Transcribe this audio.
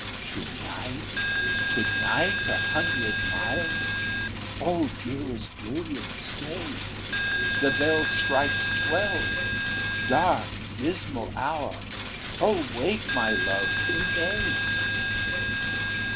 "To night to night a hundred miles! O dearest William, stay! The bell strikes twelve dark, dismal hour! O wait, my love, till day!"